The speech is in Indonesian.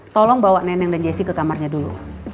tolong bawa nenek dan jesse ke kamarnya dulu